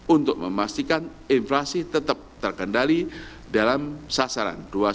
untuk memastikan inflasi tetap terkendali dalam sasaran